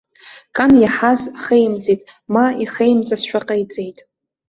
Кан иаҳаз хеимҵеит ма ихеимҵазшәа ҟаиҵеит.